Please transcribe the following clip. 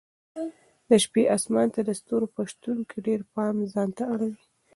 د شپې اسمان د ستورو په شتون کې ډېر پام ځانته اړوي.